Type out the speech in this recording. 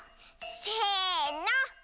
せの。